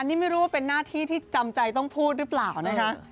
นี่ไม่รู้ว่าเป็นหน้าที่ที่จำใจต้องพูดหรือเปล่านะคะ